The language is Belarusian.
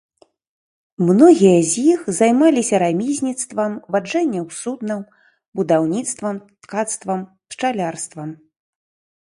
Многія з іх займаліся рамізніцтвам, ваджэннем суднаў, будаўніцтвам, ткацтвам, пчалярствам.